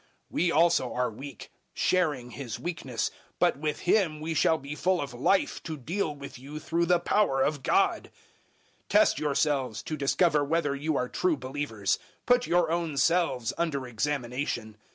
We also are weak, sharing His weakness, but with Him we shall be full of life to deal with you through the power of God. 013:005 Test yourselves to discover whether you are true believers: put your own selves under examination.